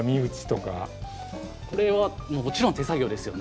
これはもちろん手作業ですよね。